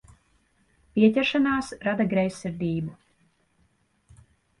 Pieķeršanās rada greizsirdību.